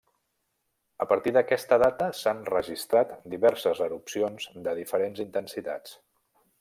A partir d'aquesta data, s'han registrat diverses erupcions de diferents intensitats.